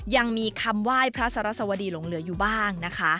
ยังมีคำไหว้พระสรสวดีหลงเหลืออยู่บ้างนะคะ